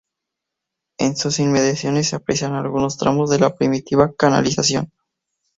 En sus inmediaciones se aprecian algunos tramos de la primitiva canalización.